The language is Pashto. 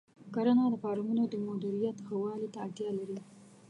کرنه د فارمونو د مدیریت ښه والي ته اړتیا لري.